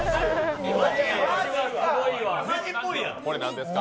これ何ですか？